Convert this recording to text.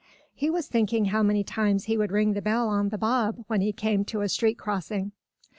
He was thinking how many times he would ring the bell on the bob when he came to a street crossing.